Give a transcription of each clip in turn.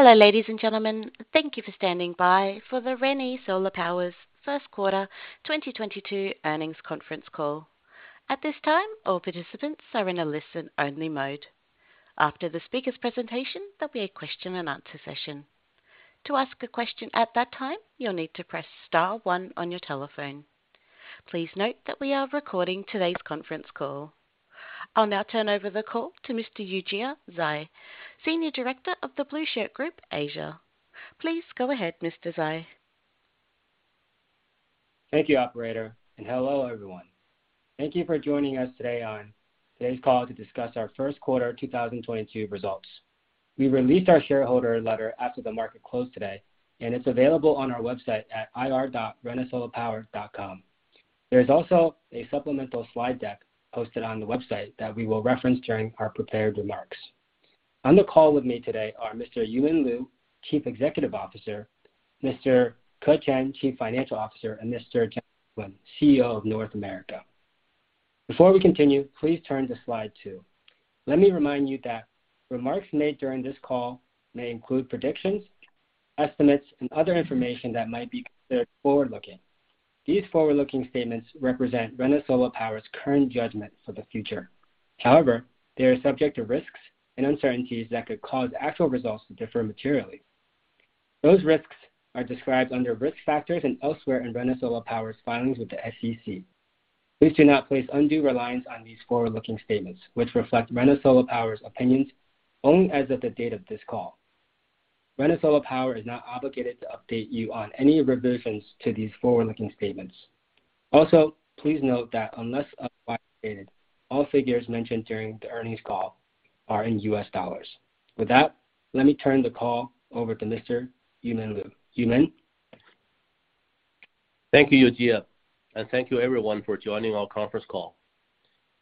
Hello, ladies and gentlemen. Thank you for standing by for the ReneSola Power's first quarter 2022 earnings conference call. At this time, all participants are in a listen-only mode. After the speakers' presentation, there'll be a question-and-answer session. To ask a question at that time, you'll need to press star one on your telephone. Please note that we are recording today's conference call. I'll now turn over the call to Mr. Yujia Zhai, Senior Director of The Blueshirt Group, Asia. Please go ahead, Mr. Zhai. Thank you, operator, and hello, everyone. Thank you for joining us today on today's call to discuss our first quarter 2022 results. We released our shareholder letter after the market closed today, and it's available on our website at ir.renesolapower.com. There is also a supplemental slide deck posted on the website that we will reference during our prepared remarks. On the call with me today are Mr. Yumin Liu, Chief Executive Officer, Mr. Ke Chen, Chief Financial Officer, and Mr. John Ewen, CEO of North America. Before we continue, please turn to slide two. Let me remind you that remarks made during this call may include predictions, estimates, and other information that might be considered forward-looking. These forward-looking statements represent ReneSola Power's current judgment for the future. However, they are subject to risks and uncertainties that could cause actual results to differ materially. Those risks are described under risk factors and elsewhere in ReneSola Power's filings with the SEC. Please do not place undue reliance on these forward-looking statements, which reflect ReneSola Power's opinions only as of the date of this call. ReneSola Power is not obligated to update you on any revisions to these forward-looking statements. Also, please note that unless otherwise stated, all figures mentioned during the earnings call are in U.S. dollars. With that, let me turn the call over to Mr. Yumin Liu. Yumin? Thank you, Yujia, and thank you everyone for joining our conference call.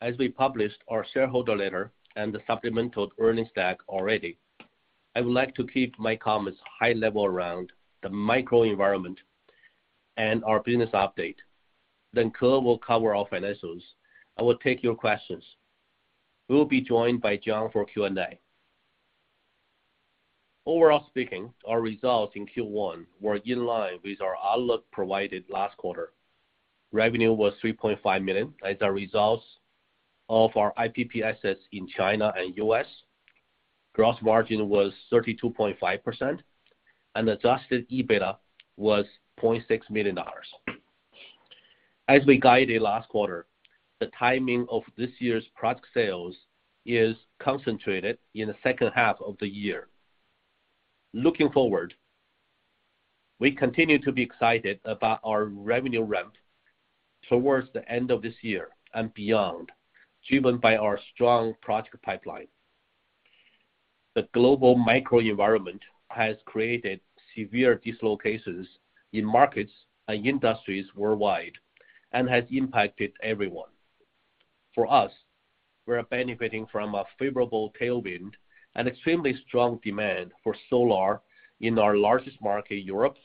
As we published our shareholder letter and the supplemental earnings deck already, I would like to keep my comments high level around the macro environment and our business update. Then Ke will cover our financials and will take your questions. We will be joined by John for Q&A. Overall speaking, our results in Q1 were in line with our outlook provided last quarter. Revenue was $3.5 million as a result of our IPP assets in China and U.S. Gross margin was 32.5%, and Adjusted EBITDA was $0.6 million. As we guided last quarter, the timing of this year's product sales is concentrated in the second half of the year. Looking forward, we continue to be excited about our revenue ramp towards the end of this year and beyond, driven by our strong project pipeline. The global macro environment has created severe dislocations in markets and industries worldwide and has impacted everyone. For us, we are benefiting from a favorable tailwind and extremely strong demand for solar in our largest market, Europe.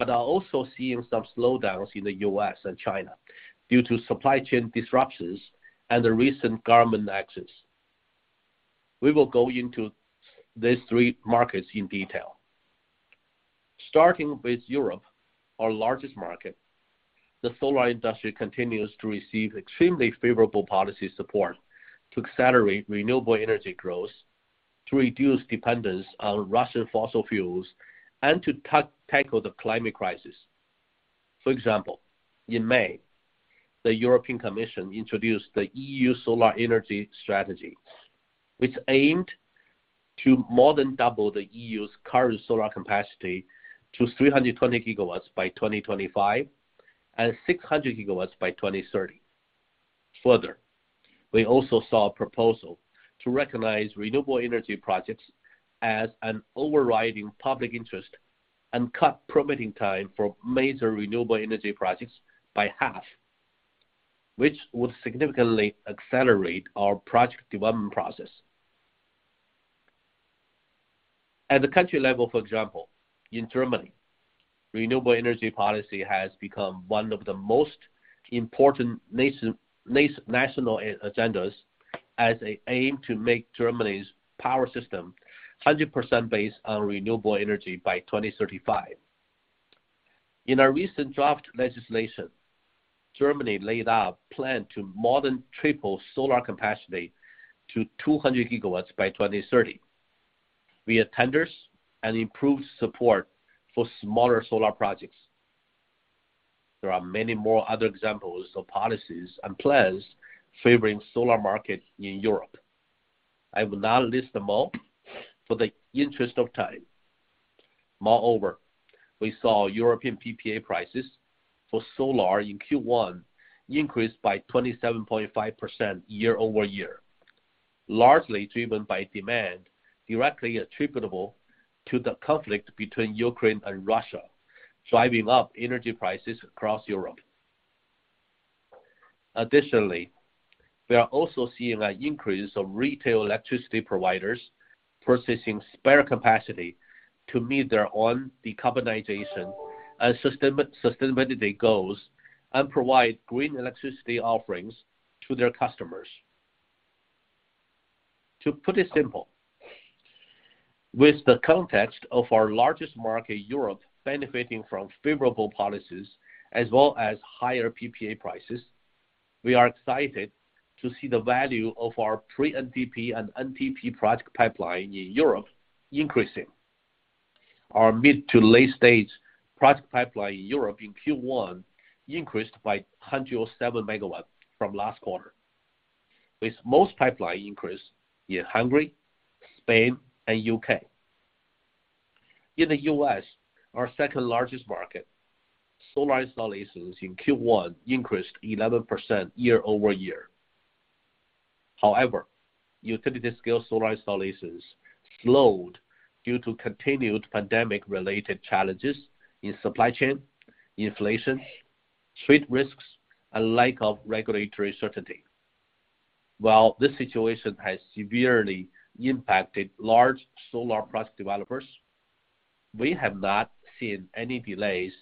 We are also seeing some slowdowns in the U.S. and China due to supply chain disruptions and the recent government actions. We will go into these three markets in detail. Starting with Europe, our largest market, the solar industry continues to receive extremely favorable policy support to accelerate renewable energy growth, to reduce dependence on Russian fossil fuels, and to tackle the climate crisis. For example, in May, the European Commission introduced the EU Solar Energy Strategy, which aimed to more than double the EU's current solar capacity to 320 GW by 2025 and 600 GW by 2030. Further, we also saw a proposal to recognize renewable energy projects as an overriding public interest and cut permitting time for major renewable energy projects by half, which would significantly accelerate our project development process. At the country level, for example, in Germany, renewable energy policy has become one of the most important national agendas as they aim to make Germany's power system 100% based on renewable energy by 2035. In a recent draft legislation, Germany laid out a plan to more than triple solar capacity to 200 GW by 2030 via tenders and improved support for smaller solar projects. There are many more other examples of policies and plans favoring solar market in Europe. I will not list them all for the interest of time. Moreover, we saw European PPA prices for solar in Q1 increase by 27.5% year-over-year, largely driven by demand directly attributable to the conflict between Ukraine and Russia, driving up energy prices across Europe. Additionally, we are also seeing an increase of retail electricity providers purchasing spare capacity to meet their own decarbonization and sustainability goals and provide green electricity offerings to their customers. To put it simple, with the context of our largest market, Europe, benefiting from favorable policies as well as higher PPA prices, we are excited to see the value of our pre-NTP and NTP project pipeline in Europe increasing. Our mid- to late-stage project pipeline in Europe in Q1 increased by 107 MW from last quarter, with most pipeline increase in Hungary, Spain, and U.K. In the U.S., our second-largest market, solar installations in Q1 increased 11% year-over-year. However, utility-scale solar installations slowed due to continued pandemic-related challenges in supply chain, inflation, trade risks, and lack of regulatory certainty. While this situation has severely impacted large solar project developers, we have not seen any delays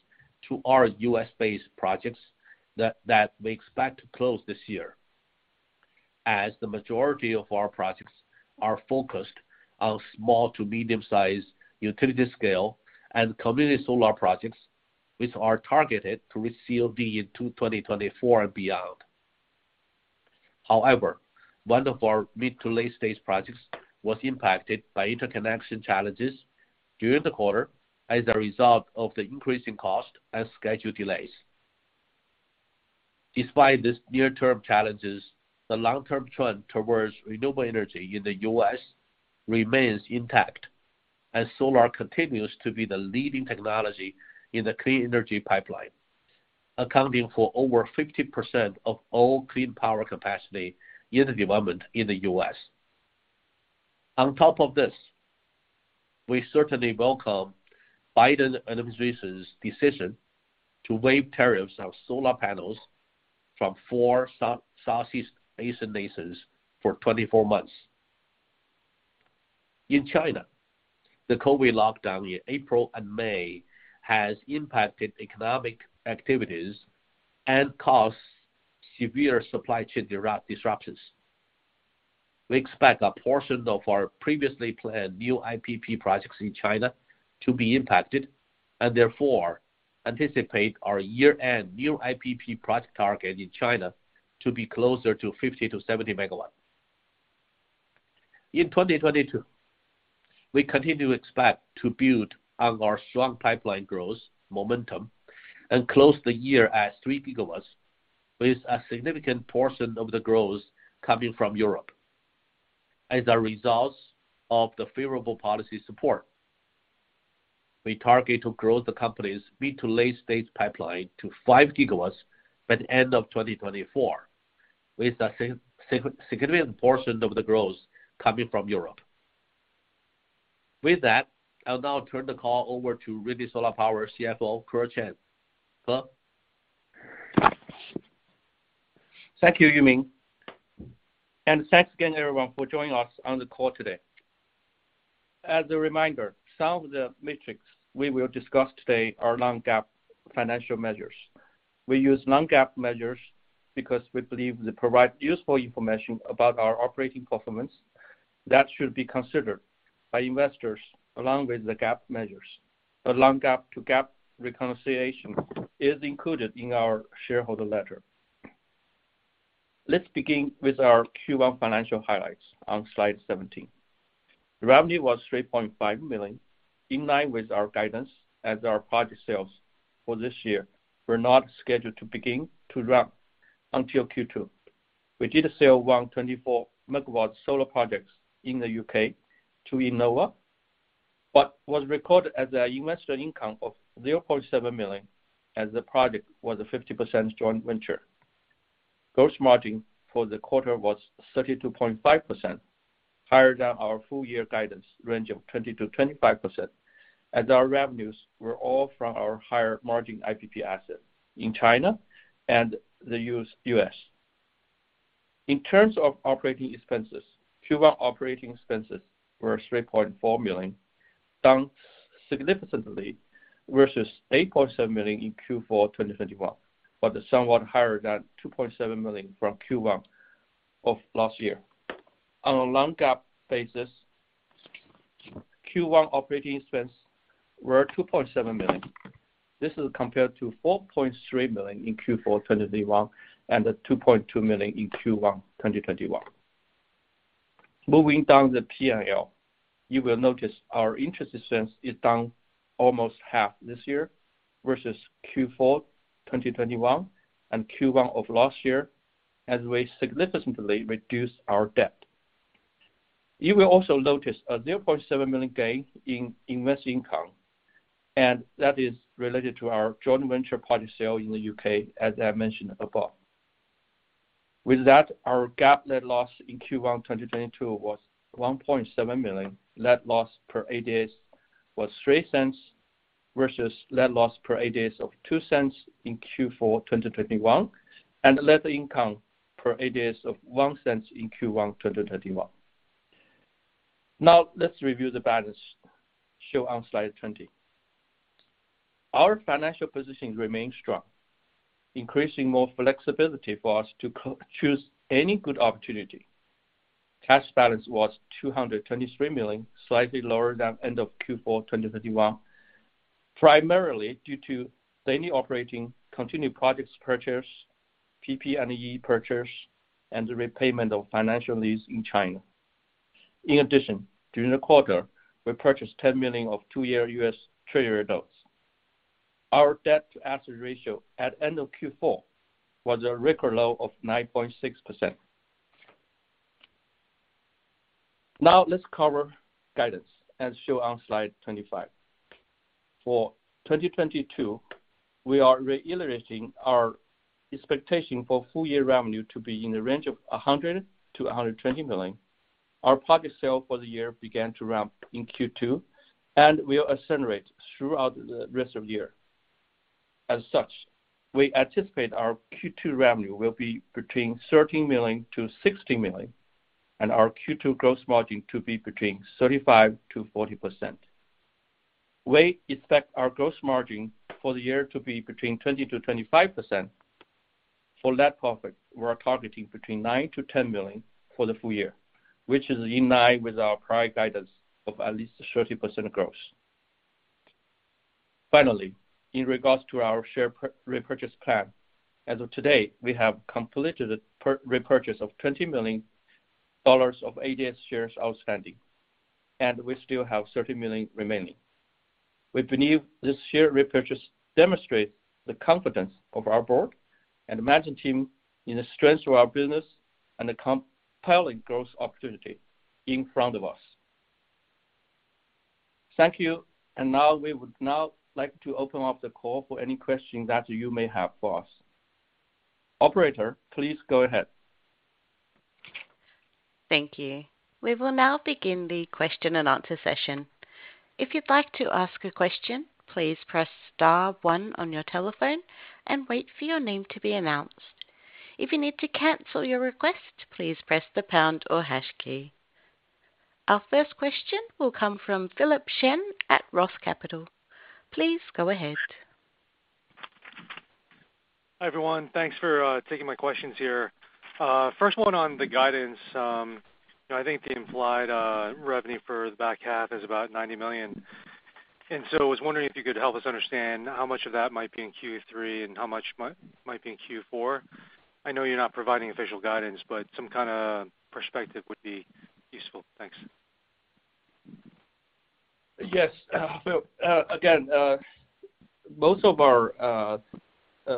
to our U.S.-based projects that we expect to close this year, as the majority of our projects are focused on small- to medium-sized utility-scale and community solar projects, which are targeted to receive in 2024 and beyond. However, one of our mid to late stage projects was impacted by interconnection challenges during the quarter as a result of the increasing cost and schedule delays. Despite these near-term challenges, the long-term trend towards renewable energy in the U.S. remains intact, and solar continues to be the leading technology in the clean energy pipeline, accounting for over 50% of all clean power capacity in development in the U.S. On top of this, we certainly welcome Biden administration's decision to waive tariffs on solar panels from four Southeast Asian nations for 24 months. In China, the COVID-19 lockdown in April and May has impacted economic activities and caused severe supply chain disruptions. We expect a portion of our previously planned new IPP projects in China to be impacted, and therefore anticipate our year-end new IPP project target in China to be closer to 50 MW-70 MW. In 2022, we continue to expect to build on our strong pipeline growth momentum and close the year at 3 GW, with a significant portion of the growth coming from Europe. As a result of the favorable policy support, we target to grow the company's mid- to late-stage pipeline to 5 GW by the end of 2024, with a significant portion of the growth coming from Europe. With that, I'll now turn the call over to ReneSola Power CFO, Ke Chen. Ke? Thank you, Yumin, and thanks again everyone for joining us on the call today. As a reminder, some of the metrics we will discuss today are non-GAAP financial measures. We use non-GAAP measures because we believe they provide useful information about our operating performance that should be considered by investors along with the GAAP measures. Along with the GAAP to non-GAAP reconciliation is included in our shareholder letter. Let's begin with our Q1 financial highlights on slide 17. Revenue was $3.5 million, in line with our guidance as our project sales for this year were not scheduled to begin to drop until Q2. We did sell one 24 MW solar projects in the U.K. to Innova, but was recorded as an investment income of $0.7 million, as the project was a 50% joint venture. Gross margin for the quarter was 32.5%, higher than our full year guidance range of 20%-25%, as our revenues were all from our higher margin IPP assets in China and the U.S. In terms of operating expenses, Q1 operating expenses were $3.4 million, down significantly versus $8.7 million in Q4 2021, but is somewhat higher than $2.7 million from Q1 of last year. On a non-GAAP basis, Q1 operating expense were $2.7 million. This is compared to $4.3 million in Q4 2021, and the $2.2 million in Q1 2021. Moving down the P&L, you will notice our interest expense is down almost half this year versus Q4 2021 and Q1 of last year, as we significantly reduced our debt. You will also notice a $0.7 million gain in investment income, and that is related to our joint venture project sale in the U.K., as I mentioned above. With that, our GAAP net loss in Q1 2022 was $1.7 million. Net loss per ADS was $0.03 versus net loss per ADS of $0.02 in Q4 2021, and net income per ADS of $0.01 in Q1 2021. Now let's review the balance shown on slide 20. Our financial position remains strong, increasing more flexibility for us to choose any good opportunity. Cash balance was $223 million, slightly lower than end of Q4 2021, primarily due to daily operating continued projects purchase, PP&E purchase, and the repayment of financial lease in China. In addition, during the quarter, we purchased $10 million of two-year U.S. Treasury notes. Our debt to asset ratio at end of Q4 was a record low of 9.6%. Now let's cover guidance, as shown on slide 25. For 2022, we are reiterating our expectation for full year revenue to be in the range of $100 million-$120 million. Our project sale for the year began to ramp in Q2 and will accelerate throughout the rest of the year. As such, we anticipate our Q2 revenue will be between $13 million-$16 million, and our Q2 gross margin to be between 35%-40%. We expect our gross margin for the year to be between 20%-25%. For net profit, we are targeting between $9 million-$10 million for the full year, which is in line with our prior guidance of at least 30% gross. Finally, in regards to our share repurchase plan, as of today, we have completed the repurchase of $20 million of ADS shares outstanding, and we still have $30 million remaining. We believe this share repurchase demonstrates the confidence of our board and management team in the strength of our business and the compelling growth opportunity in front of us. Thank you. We would now like to open up the call for any questions that you may have for us. Operator, please go ahead. Thank you. We will now begin the question-and-answer session. If you'd like to ask a question, please press star one on your telephone and wait for your name to be announced. If you need to cancel your request, please press the pound or hash key. Our first question will come from Philip Shen at Roth Capital. Please go ahead. Hi, everyone. Thanks for taking my questions here. First one on the guidance. You know, I think the implied revenue for the back half is about $90 million. I was wondering if you could help us understand how much of that might be in Q3 and how much might be in Q4? I know you're not providing official guidance, but some kind of perspective would be useful. Thanks. Yes. Philip, again, most of our,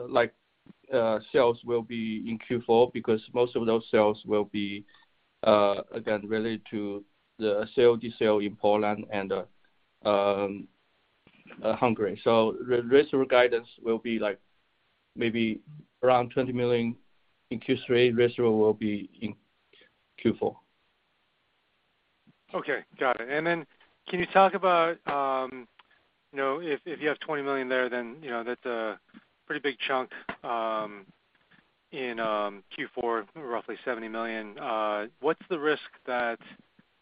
like, sales will be in Q4 because most of those sales will be, again, related to the sale in Poland and Hungary. The rest of our guidance will be like maybe around $20 million in Q3. Rest of it will be in Q4. Okay. Got it. Can you talk about, you know, if you have $20 million there, then, you know, that's a pretty big chunk in Q4, roughly $70 million. What's the risk that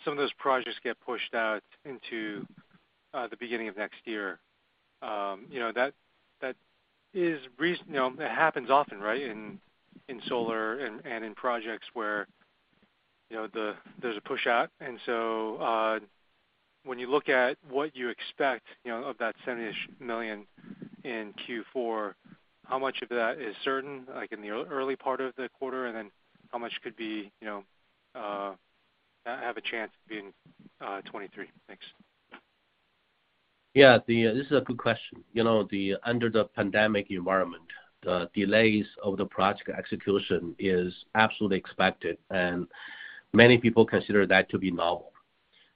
some of those projects get pushed out into the beginning of next year? You know, that is reason. You know, it happens often, right? In solar and in projects where, you know, there's a push out. When you look at what you expect, you know, of that $70 million in Q4, how much of that is certain, like in the early part of the quarter, and then how much could be, you know, have a chance of being 2023? Thanks. Yeah. This is a good question. You know, under the pandemic environment, the delays of the project execution is absolutely expected, and many people consider that to be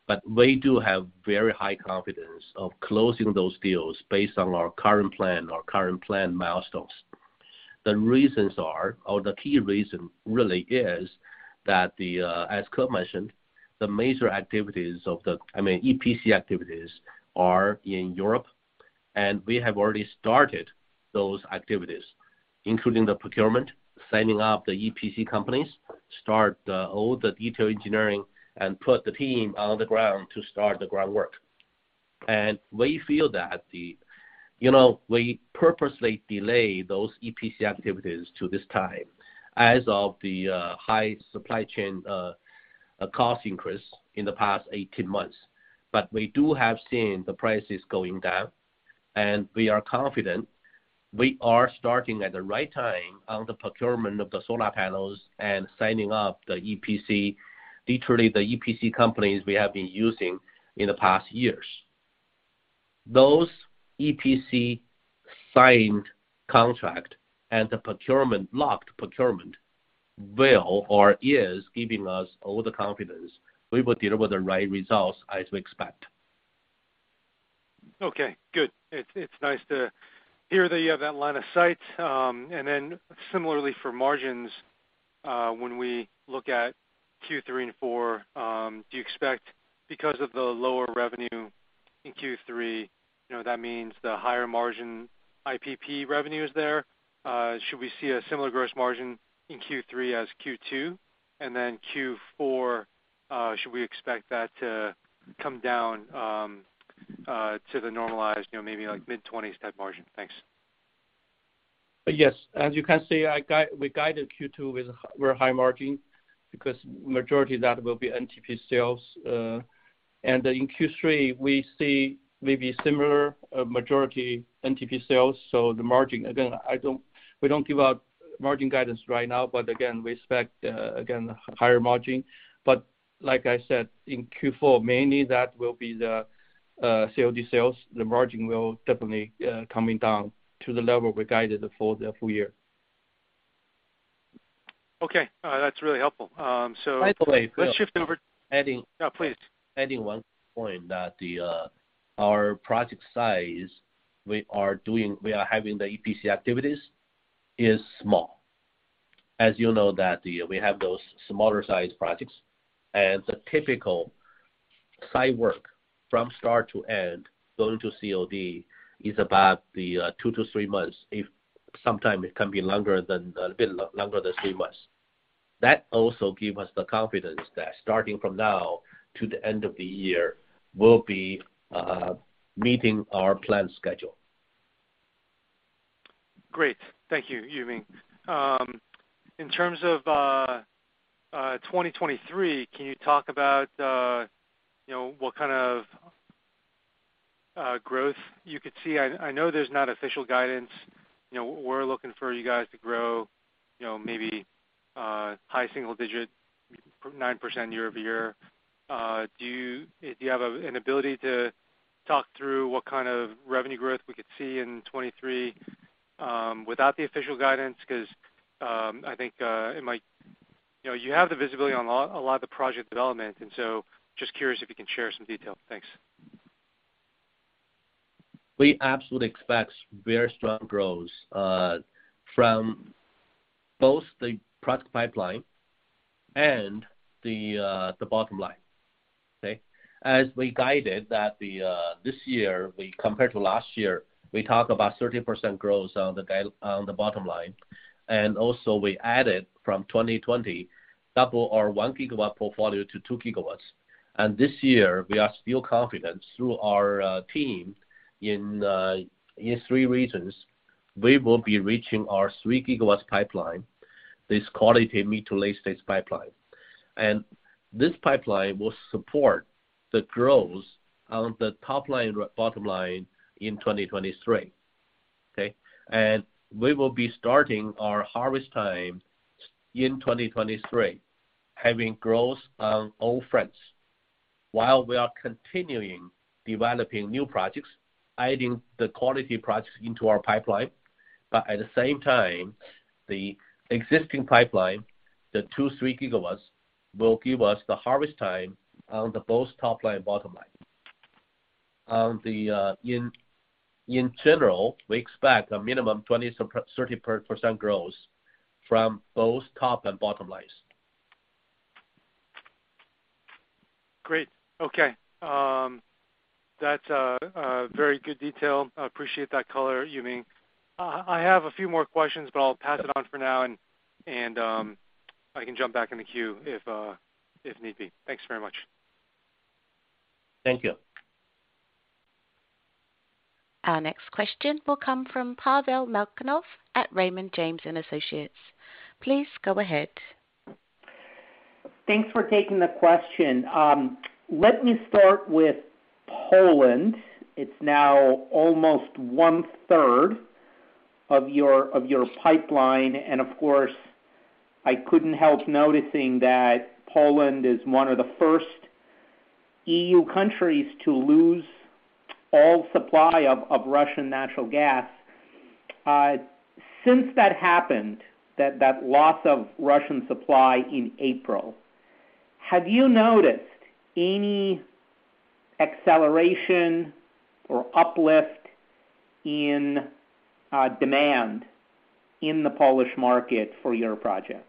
normal. We do have very high confidence of closing those deals based on our current plan milestones. The reasons are, or the key reason really is that, as Ke mentioned, the major activities, I mean, EPC activities are in Europe. We have already started those activities, including the procurement, signing up the EPC companies, start all the detailed engineering and put the team on the ground to start the groundwork. We feel that. You know, we purposely delay those EPC activities to this time as of the high supply chain cost increase in the past 18 months. We have seen the prices going down, and we are confident we are starting at the right time on the procurement of the solar panels and signing up the EPC, literally the EPC companies we have been using in the past years. Those EPC signed contract and the procurement, locked procurement will or is giving us all the confidence we will deliver the right results as we expect. Okay, good. It's nice to hear that you have that line of sight. And then similarly for margins, when we look at Q3 and Q4, do you expect because of the lower revenue in Q3, you know, that means the higher margin IPP revenue is there? Should we see a similar gross margin in Q3 as Q2, and then Q4, should we expect that to come down to the normalized, you know, maybe like mid-20s% type margin? Thanks. Yes. As you can see, we guided Q2 with a very high margin because majority of that will be NTP sales. In Q3, we see maybe similar, majority NTP sales. The margin, again, I don't, we don't give out margin guidance right now, but again, we expect, again, higher margin. Like I said, in Q4, mainly that will be the COD sales. The margin will definitely, coming down to the level we guided for the full year. Okay. That's really helpful. By the way. Let's shift over- Adding. No, please. Adding one point that our project size we are doing, we are having the EPC activities, is small. As you know that we have those smaller sized projects, and the typical site work from start to end, going to COD, is about the two to three months. If sometimes it can be longer than, a bit longer than three months. That also give us the confidence that starting from now to the end of the year, we'll be meeting our planned schedule. Great. Thank you, Yumin. In terms of 2023, can you talk about what kind of growth you could see? I know there's not official guidance. You know, we're looking for you guys to grow, you know, maybe high-single digit, 9% year-over-year. Do you have an ability to talk through what kind of revenue growth we could see in 2023 without the official guidance? Because I think it might. You know, you have the visibility on a lot of the project development, and so just curious if you can share some details. Thanks. We absolutely expect very strong growth from both the project pipeline and the bottom line. Okay. As we guided that this year, we compared to last year, we talk about 30% growth on the bottom line. Also, we added from 2020 double our 1 GW portfolio to 2 GW. This year we are still confident through our team in three regions, we will be reaching our 3 GW pipeline, this quality mid to late-stage pipeline. This pipeline will support the growth on the top line, bottom line in 2023. Okay. We will be starting our harvest time in 2023, having growth on all fronts while we are continuing developing new projects, adding the quality projects into our pipeline. At the same time, the existing pipeline, the 2 GW-3 GW, will give us the harvest time on both top line and bottom line. In general, we expect a minimum 20%-30% growth from both top and bottom lines. Great. Okay. That's a very good detail. I appreciate that color, Yumin. I have a few more questions, but I'll pass it on for now and I can jump back in the queue if need be. Thanks very much. Thank you. Our next question will come from Pavel Molchanov at Raymond James & Associates. Please go ahead. Thanks for taking the question. Let me start with Poland. It's now almost one-third of your pipeline. Of course, I couldn't help noticing that Poland is one of the first EU countries to lose all supply of Russian natural gas. Since that happened, that loss of Russian supply in April, have you noticed any acceleration or uplift in demand in the Polish market for your projects?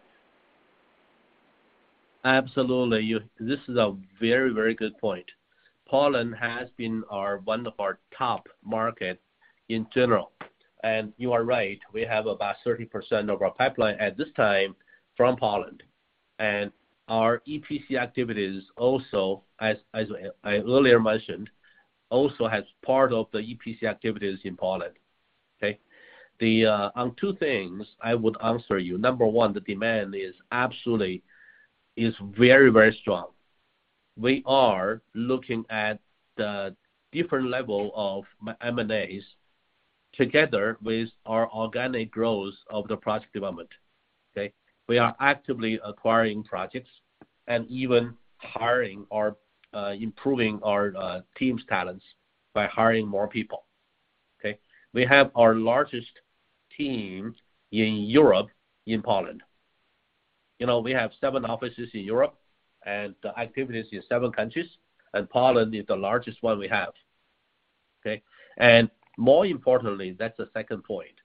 Absolutely. This is a very, very good point. Poland has been our, one of our top market in general. You are right, we have about 30% of our pipeline at this time from Poland. Our EPC activities also, as I earlier mentioned, also has part of the EPC activities in Poland. Okay. Then, on two things I would answer you. Number one, the demand is absolutely very, very strong. We are looking at the different level of M&A together with our organic growth of the project development. Okay. We are actively acquiring projects and even improving our team's talents by hiring more people. Okay. We have our largest team in Europe in Poland. You know, we have seven offices in Europe and the activities in seven countries, and Poland is the largest one we have. Okay. More importantly, that's the second point.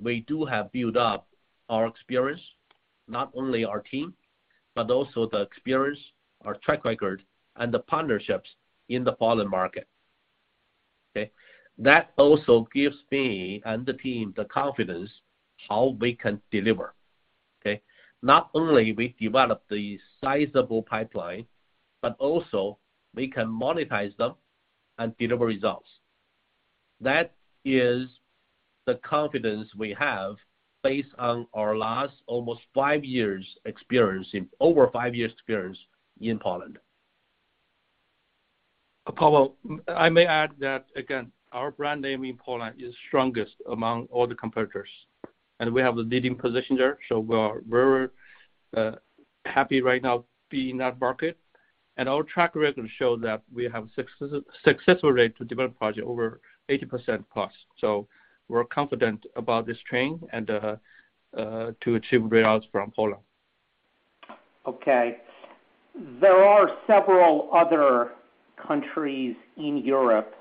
We do have built up our experience, not only our team, but also the experience, our track record, and the partnerships in the Poland market. Okay. That also gives me and the team the confidence how we can deliver. Okay? Not only we develop the sizable pipeline, but also we can monetize them and deliver results. That is the confidence we have based on our over five years' experience in Poland. Pavel, I may add that again, our brand name in Poland is strongest among all the competitors, and we have the leading position there. We are very happy right now being in that market. Our track record show that we have successful rate to develop project over 80%+. We're confident about this trend and to achieve great results from Poland. Okay. There are several other countries in Europe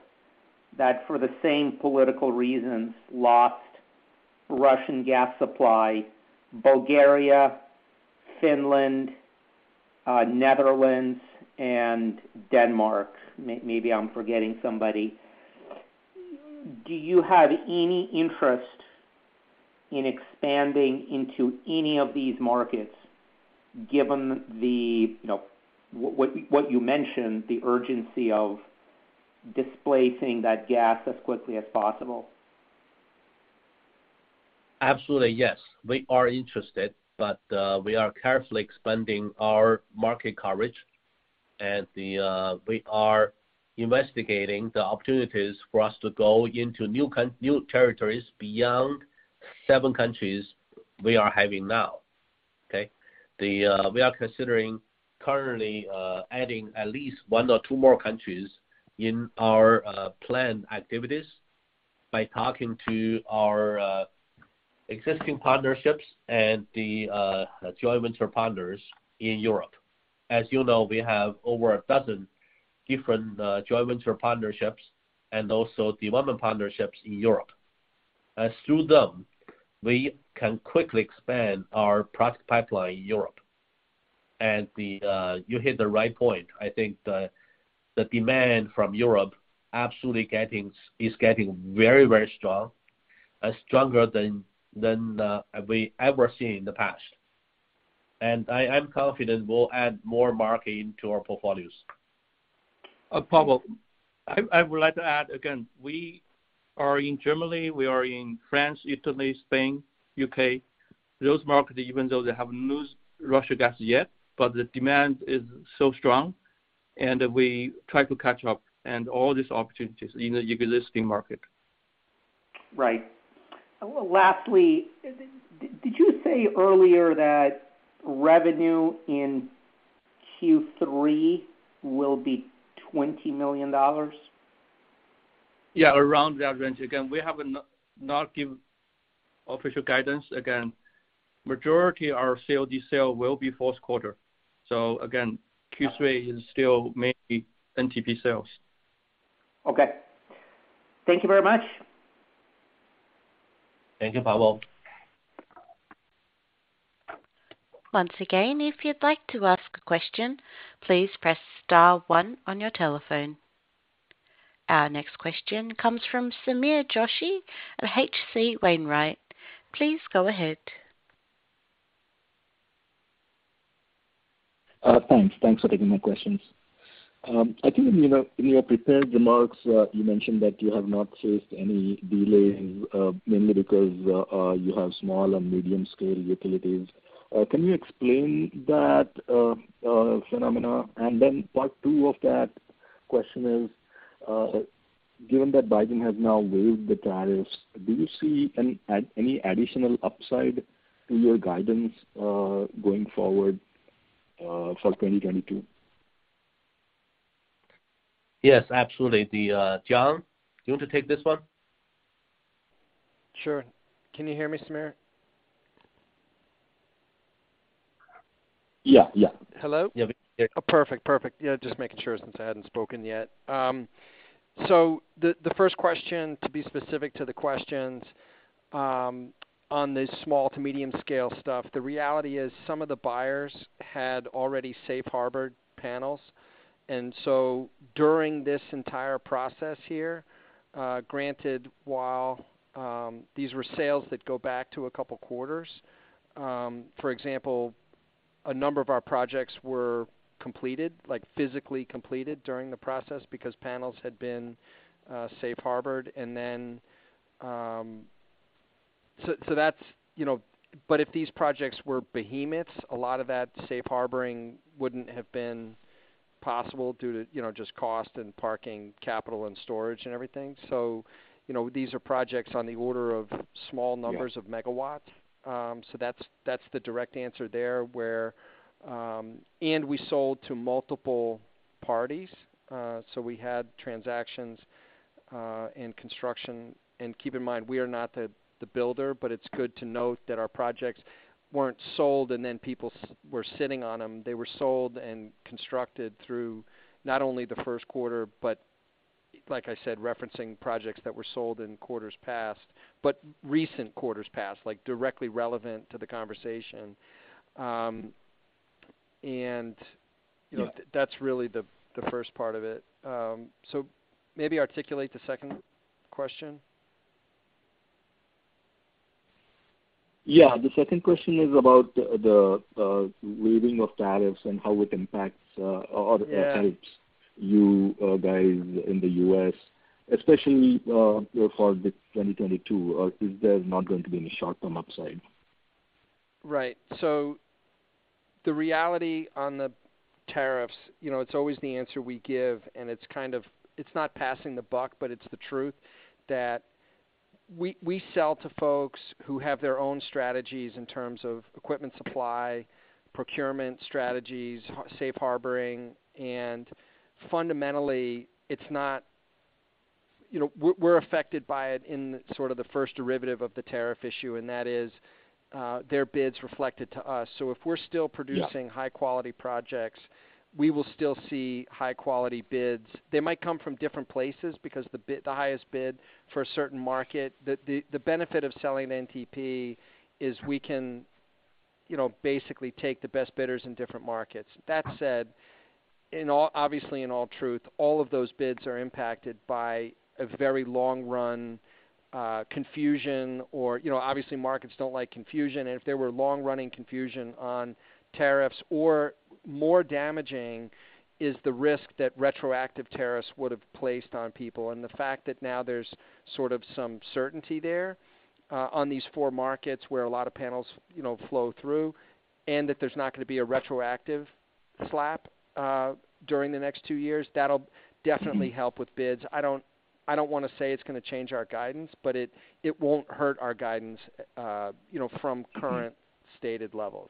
that for the same political reasons, lost Russian gas supply: Bulgaria, Finland, Netherlands, and Denmark. Maybe I'm forgetting somebody. Do you have any interest in expanding into any of these markets given the, you know, what you mentioned, the urgency of displacing that gas as quickly as possible? Absolutely, yes, we are interested, but we are carefully expanding our market coverage. We are investigating the opportunities for us to go into new territories beyond seven countries we are having now. Okay? We are considering currently adding at least one or two more countries in our plan activities by talking to our existing partnerships and the joint venture partners in Europe. As you know, we have over a dozen different joint venture partnerships and also development partnerships in Europe. Through them, we can quickly expand our product pipeline in Europe. You hit the right point. I think the demand from Europe absolutely is getting very, very strong, stronger than we ever seen in the past. I'm confident we'll add more market into our portfolios. Pavel, I would like to add again, we are in Germany, we are in France, Italy, Spain, U.K. Those markets, even though they haven't lost Russian gas yet, but the demand is so strong, and we try to catch up and all these opportunities in the existing market. Right. Well, lastly, did you say earlier that revenue in Q3 will be $20 million? Yeah, around that range. Again, we have not give official guidance. Again, majority our COD sale will be fourth quarter. Again, Q3 is still mainly NTP sales. Okay. Thank you very much. Thank you, Pavel. Once again, if you'd like to ask a question, please press star one on your telephone. Our next question comes from Sameer Joshi of H.C. Wainwright. Please go ahead. Thanks for taking my questions. I think in, you know, in your prepared remarks, you mentioned that you have not faced any delays, mainly because you have small and medium scale utilities. Can you explain that phenomenon? Part two of that question is, given that Biden has now waived the tariffs, do you see any additional upside to your guidance, going forward, for 2022? Yes, absolutely. John, do you want to take this one? Sure. Can you hear me, Sameer? Yeah. Yeah. Hello? Yeah, we can hear you. Oh, perfect. Perfect. Yeah, just making sure since I hadn't spoken yet. The first question to be specific to the questions on the small to medium scale stuff. The reality is some of the buyers had already safe harbored panels. During this entire process here, granted, while these were sales that go back to a couple quarters, for example, a number of our projects were completed, like physically completed during the process because panels had been safe harbored. That's, you know. If these projects were behemoths, a lot of that safe harboring wouldn't have been possible due to, you know, just cost and parked capital and storage and everything. You know, these are projects on the order of small numbers... Yeah. ...of megawatts. So that's the direct answer there where we sold to multiple parties. So, we had transactions in construction. Keep in mind, we are not the builder, but it's good to note that our projects weren't sold and then people were sitting on them. They were sold and constructed through not only the first quarter, but like I said, referencing projects that were sold in quarters past, but recent quarters past, like directly relevant to the conversation. You know, that's really the first part of it. So maybe articulate the second question. Yeah. The second question is about the waiving of tariffs and how it impacts. Yeah. You guys in the U.S., especially, you know, for the 2022. Is there not going to be any short-term upside? Right. The reality on the tariffs, you know, it's always the answer we give, and it's kind of, it's not passing the buck, but it's the truth that we sell to folks who have their own strategies in terms of equipment supply, procurement strategies, safe harboring. Fundamentally, it's not, you know, we're affected by it in sort of the first derivative of the tariff issue, and that is, their bid's reflected to us. So, if we're still producing. Yeah. For high quality projects, we will still see high quality bids. They might come from different places because the highest bid for a certain market. The benefit of selling NTP is we can, you know, basically take the best bidders in different markets. That said, in all obviously, in all truth, all of those bids are impacted by a very long-running confusion or, you know, obviously markets don't like confusion. If there were long-running confusion on tariffs or more damaging is the risk that retroactive tariffs would have placed on people. The fact that now there's sort of some certainty there on these four markets where a lot of panels, you know, flow through, and that there's not gonna be a retroactive slap during the next two years, that'll definitely help with bids. I don't wanna say it's gonna change our guidance, but it won't hurt our guidance, you know, from current stated levels,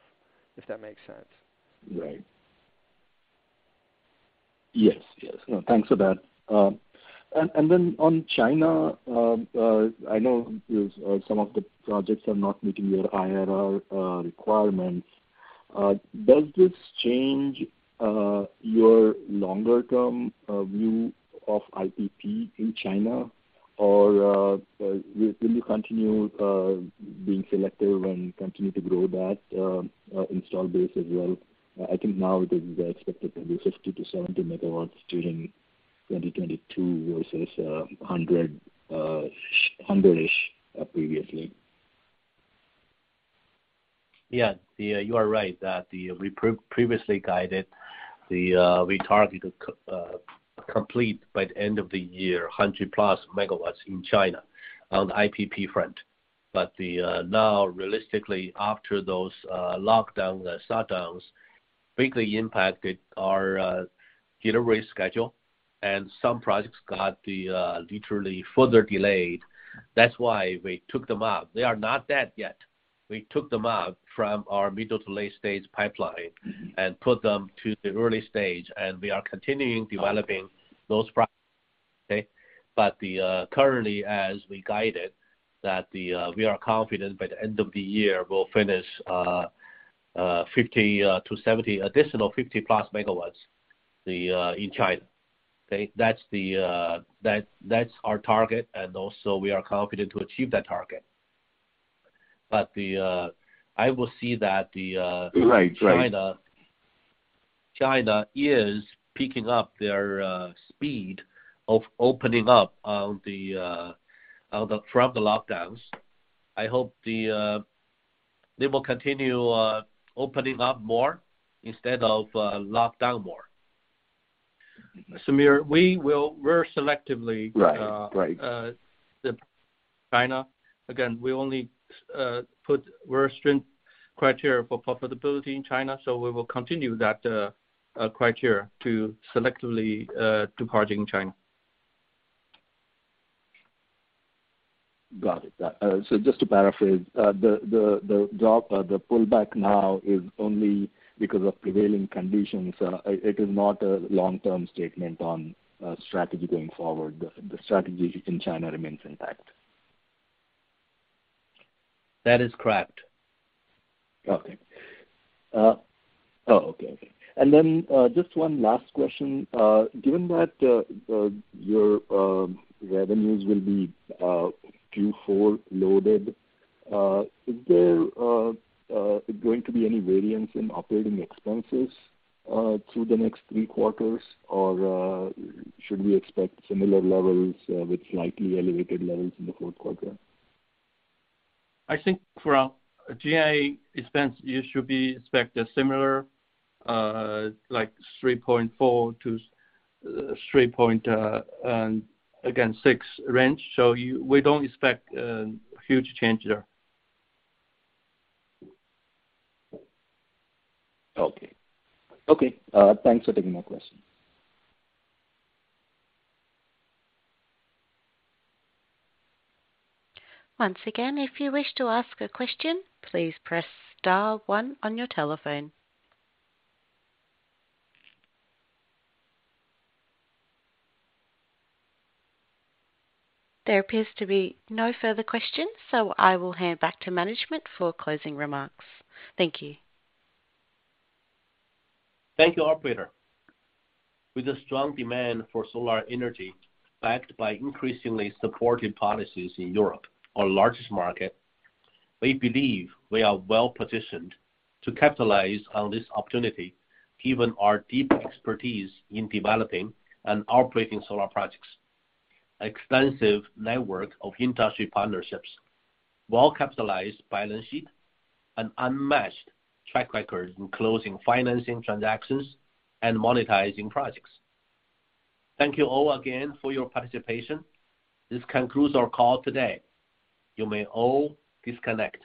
if that makes sense. Right. Yes, yes. No, thanks for that. Then on China, I know some of the projects are not meeting your IRR requirements. Does this change your longer-term view of IPP in China, or will you continue being selective and continue to grow that installed base as well? I think now they expected to be 50 MW-70 MW during 2022 versus 100-ish previously. Yeah, you are right that we previously guided to complete by the end of the year 100+ MW in China on the IPP front. Now, realistically, after those lockdown shutdowns greatly impacted our delivery schedule, and some projects got literally further delayed. That's why we took them out. They are not dead yet. We took them out from our middle- to late-stage pipeline... Mm-hmm. ...put them to the early stage, and we are continuing developing those, okay? Currently, as we guided, that we are confident by the end of the year we'll finish 50 MW-70 MW additional 50+ MW in China. Okay? That's our target and also, we are confident to achieve that target. I will see that the- Right. Right. China is picking up their speed of opening up from the lockdowns. I hope they will continue opening up more instead of lockdown more. Sameer, we're selectively- Right. Right. Again, we only put very strict criteria for profitability in China, so we will continue that criteria to selectively deploy in China. Got it. Just to paraphrase, the drop or the pullback now is only because of prevailing conditions. It is not a long-term statement on strategy going forward. The strategy in China remains intact. That is correct. Just one last question. Given that your revenues will be Q4 loaded, is there going to be any variance in operating expenses through the next three quarters? Should we expect similar levels with slightly elevated levels in the fourth quarter? I think for our G&A expense, you should expect a similar, like $3.4 million-$3.6 million range. We don't expect a huge change there. Okay. Okay, thanks for taking my question. Once again, if you wish to ask a question, please press star one on your telephone. There appears to be no further questions, so I will hand back to management for closing remarks. Thank you. Thank you, operator. With the strong demand for solar energy, backed by increasingly supportive policies in Europe, our largest market, we believe we are well-positioned to capitalize on this opportunity given our deep expertise in developing and operating solar projects, extensive network of industry partnerships, well-capitalized balance sheet, and unmatched track record in closing financing transactions and monetizing projects. Thank you all again for your participation. This concludes our call today. You may all disconnect.